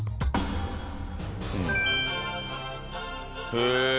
へえ！